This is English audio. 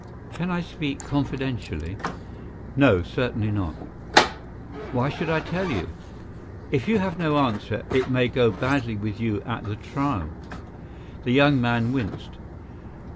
"Can I speak confidentially?" "No, certainly not." "Why should I tell you?" "If you have no answer, it may go badly with you at the trial." The young man winced.